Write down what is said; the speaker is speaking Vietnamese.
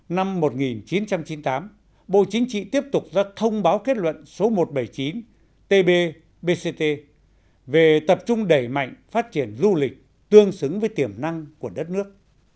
năm một nghìn chín trăm chín mươi tám bộ chính trị tiếp tục ra thông báo kết luận số một trăm bảy mươi chín tb bct về tập trung đẩy mạnh phát triển du lịch tương xứng với tiềm năng của đất nước